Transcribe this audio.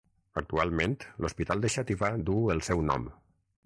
Actualment l'hospital de Xàtiva duu el seu nom.